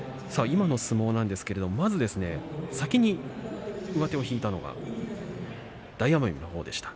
今の相撲なんですが、まず先に上手を引いたのは大奄美の方でした。